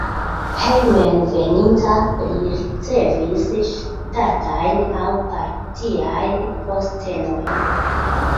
Hejmenveninta li ricevis ŝtatajn aŭ partiajn postenojn.